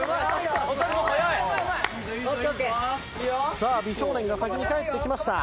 さあ美少年が先に帰ってきました。